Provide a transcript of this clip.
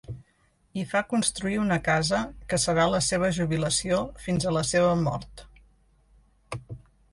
Hi fa construir una casa que serà la seva jubilació fins a la seva mort.